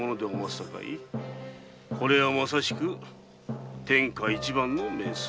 さかいこれはまさしく天下一番の名水。